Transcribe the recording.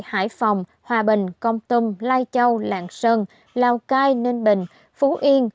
hải phòng hòa bình công tâm lai châu lạng sơn lào cai ninh bình phú yên